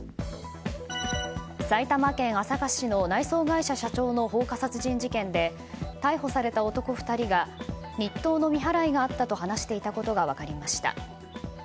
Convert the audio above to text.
埼玉県朝霞市の内装会社社長の放火殺人事件で逮捕された男２人が日当の未払いがあったと話していたことが分かりました。